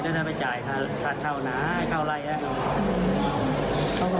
เขาก็มาจ่ายอย่างนี้ใจ